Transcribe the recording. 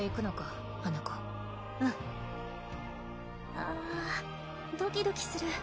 ああドキドキする。